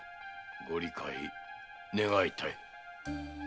ご理解願いたい。